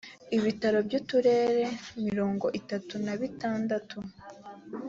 ibitaro by uturere mirongo itatu na bitandatu